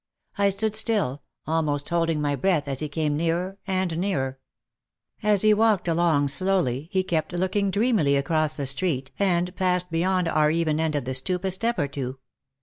I stood still, almost holding my breath as he came nearer and nearer. As he walked along slowly he kept looking dreamily across the street and passed beyond our even end of the stoop a step or two.